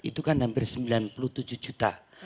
itu kan hampir sembilan puluh tujuh juta